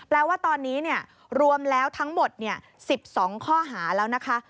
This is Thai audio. แปลว่าตอนนี้เนี่ยรวมแล้วทั้งหมดเนี่ย๑๒ข้อหาแล้วนะคะ